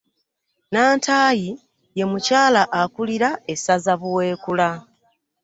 Nantaayi ye mukyala akulira essaza Buweekula.